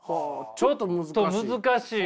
ちょっと難しいよね。